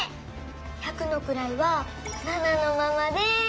百のくらいは「７」のままで。